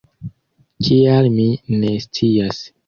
Kial mi ne scias.